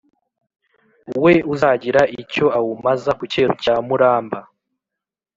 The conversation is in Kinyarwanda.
We uzagira icyo awumaza ku Cyeru cya Muramba.